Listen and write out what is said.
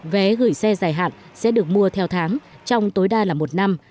vé gửi xe dài hạn sẽ được mua theo tháng trong tối đa là một năm